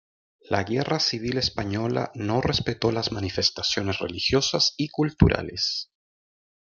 La Guerra Civil Española no respetó las manifestaciones religiosas y culturales.